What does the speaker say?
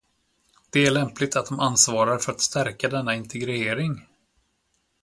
Det är lämpligt att de ansvarar för att stärka denna integrering.